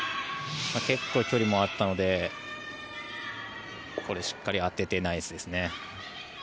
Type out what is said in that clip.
結構距離もあったのでこれしっかり当ててナイスですね。